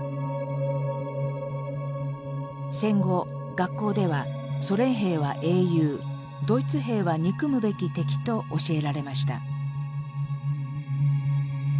戦後学校ではソ連兵は英雄ドイツ兵は憎むべき敵と教えられました。